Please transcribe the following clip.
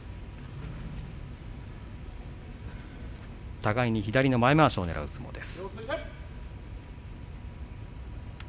互いに左の前まわしをねらう相撲です。